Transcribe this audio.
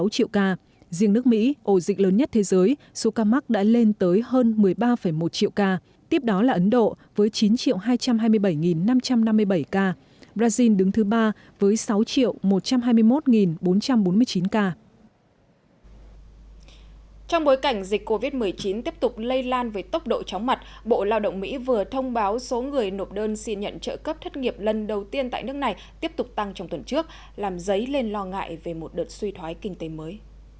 trong bối cảnh dịch covid một mươi chín tiếp tục lây lan với tốc độ chóng mặt bộ lao động mỹ vừa thông báo số người nộp đơn xin nhận trợ cấp thất nghiệp lần đầu tiên tại nước này tiếp tục tăng trong tuần trước làm dấy lên lo ngại về một đợt suy thoái kinh tế mới